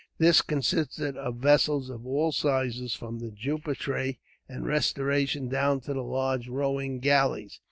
This consisted of vessels of all sizes, from the Jupitre and Restoration, down to large rowing galleys.